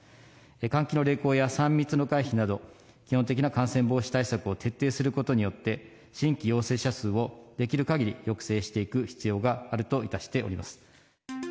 換気の励行や３密の回避など、基本的な感染防止対策を徹底することによって、新規陽性者数をできるかぎり抑制していく必要があるといたしております。